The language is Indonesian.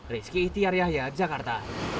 rizky itiariah yogyakarta